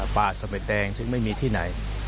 ปลาสะเบียดแดงซึ่งไม่มีที่ไหน